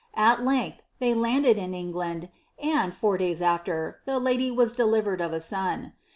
At length, they landed in England, and, four days after, the lady was delivered of a son.